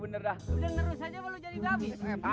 udah terus aja lo jadi babi